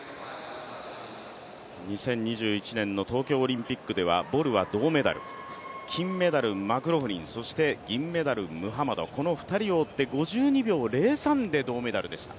２０２１年の東京オリンピックではボルは銅メダル、金メダル、マクローフリン、この２人を追って５２秒０３で銅メダルでした。